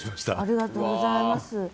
ありがとうございます。